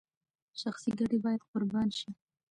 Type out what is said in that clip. شخصي ګټې باید قربان شي.